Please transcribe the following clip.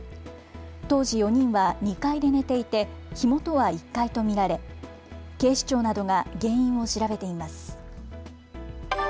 当時、４人は２階で寝ていて火元は１階と見られ、警視庁などが原因を調べています。